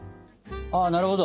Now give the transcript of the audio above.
あなるほど。